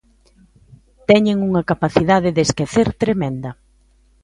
¡Teñen unha capacidade de esquecer tremenda!